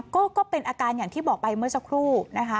ก็เป็นอาการอย่างที่บอกไปเมื่อสักครู่นะคะ